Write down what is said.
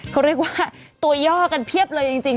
เขาเรียกว่าตัวย่อกันเพียบเลยจริง